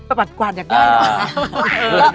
ต้องปัดกว่านอยากได้